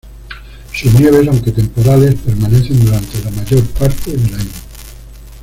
Sus nieves, aunque temporales, permanecen durante la mayor parte del año.